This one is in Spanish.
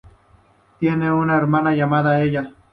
Tiene una hermana llamada Ella.